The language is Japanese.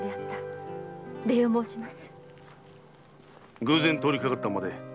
偶然通りかかったまで。